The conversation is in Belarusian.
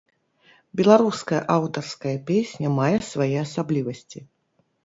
Беларуская аўтарская песня мае свае асаблівасці.